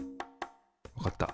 分かった。